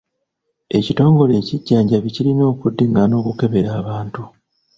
Ekitongole ekijjanjambi kirina okuddingana okukebera abantu.